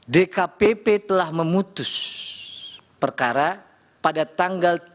dkpp telah memutus perkara pada tanggal lima februari dua ribu dua puluh empat